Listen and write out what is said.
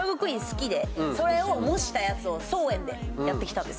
好きでそれを模したやつを「装苑」でやってきたんですよ